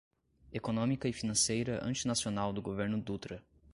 econômica e financeira antinacional do governo Dutra